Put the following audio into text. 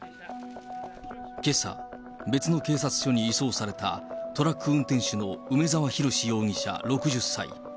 けさ、別の警察署に移送された、トラック運転手の梅沢洋容疑者６０歳。